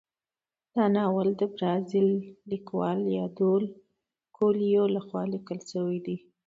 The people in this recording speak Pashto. دا ناول د برازیلي لیکوال پاولو کویلیو لخوا لیکل شوی دی.